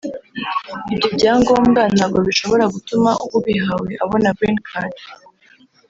ibyo byangombwa ntabwo bishobora gutuma ubihawe abona Green Card